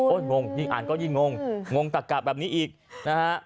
งงยิ่งอ่านก็ยิ่งงงงงตะกะแบบนี้อีกนะฮะ